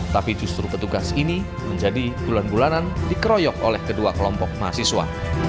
tapi justru petugas ini menjadi bulan bulanan dikeroyok oleh kedua kelompok mahasiswa